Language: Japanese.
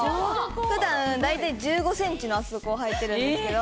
普段大体１５センチの厚底を履いてるんですけど。